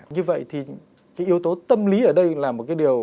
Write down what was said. như vậy thì cái yếu tố tâm lý ở đây là một cái điều